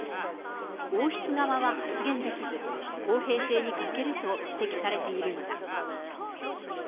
王室側は発言できず、公平性に欠けると指摘されているのだ。